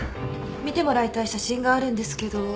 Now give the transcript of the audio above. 見てもらいたい写真があるんですけど。